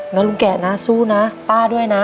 ลุงแกะนะสู้นะป้าด้วยนะ